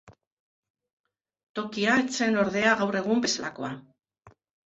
Tokia ez zen ordea gaur egun bezalakoa.